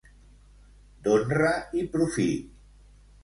D'honra i profit.